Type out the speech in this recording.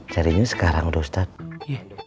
carinya sekarang ustadz